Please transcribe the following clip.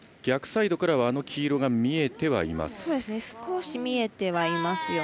逆サイドからはあの黄色が見えてはいます。